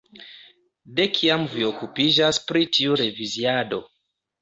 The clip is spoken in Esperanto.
De kiam vi okupiĝas pri tiu reviziado?